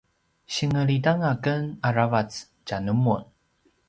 senglit anga ken aravac tja numun